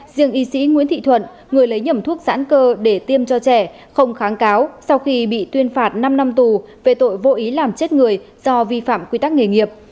riêng y sĩ nguyễn thị thuận người lấy nhầm thuốc giãn cơ để tiêm cho trẻ không kháng cáo sau khi bị tuyên phạt năm năm tù về tội vô ý làm chết người do vi phạm quy tắc nghề nghiệp